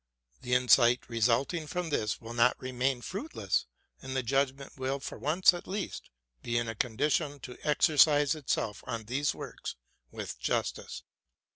The insight resulting from this will not remain fruit less; and the judgment will, for once at least, be in a con dition to exercise itself on these works with justice.